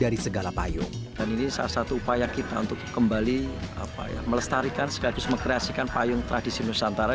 dan ini salah satu upaya kita untuk kembali melestarikan sekaligus mengkreasikan payung tradisi nusantara